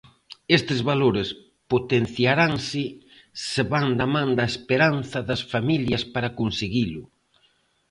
Estes valores potenciaranse se van da man da esperanza das familias para conseguilo.